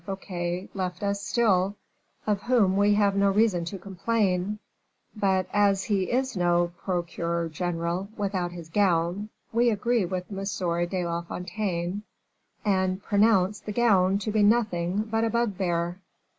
Fouquet left us still, of whom we have no reason to complain; but, as he is no procureur general without his gown, we agree with M. de la Fontaine and pronounce the gown to be nothing but a bugbear."